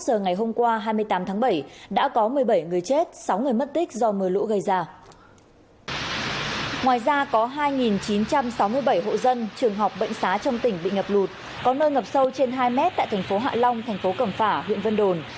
có nơi ngập sâu trên hai mét tại thành phố hạ long thành phố cẩm phả huyện vân đồn